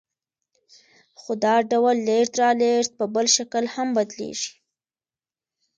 خو دا ډول لېږد رالېږد په بل شکل هم بدلېږي